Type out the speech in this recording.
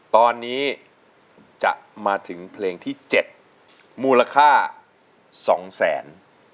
ตอนนี้จะมาถึงเพลงที่๗มูลค่า๒๐๐๐๐๐บาท